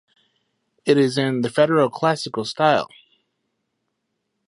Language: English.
It is in the Federal Classical style.